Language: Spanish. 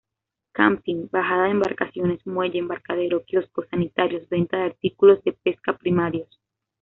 Camping, bajada de embarcaciones, muelle, embarcadero, kiosco, sanitarios, venta de artículos de pesca primarios.